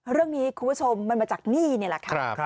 เรื่องนี้คุณผู้ชมมันมาจากหนี้นี่แหละค่ะ